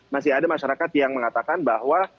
masih ada masyarakat yang mengatakan bahwa